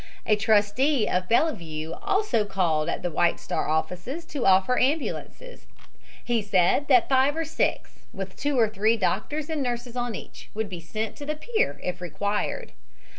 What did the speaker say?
A trustee of Bellevue also called at the White Star offices to offer ambulances. He said that five or six, with two or three doctors and nurses on each, would be sent to the pier if required.